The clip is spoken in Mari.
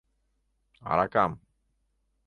— Аракам...